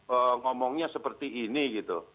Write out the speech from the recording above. ini udah ngomongnya seperti ini gitu